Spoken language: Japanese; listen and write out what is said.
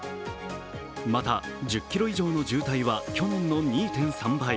また、１０ｋｍ以上の渋滞は去年の２．３倍。